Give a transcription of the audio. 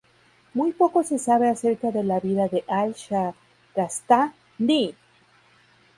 Muy poco se sabe acerca de la vida de al-Shahrastānī.